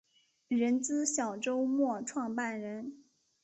人资小周末创办人